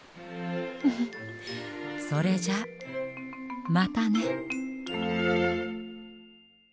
フフッそれじゃまたね。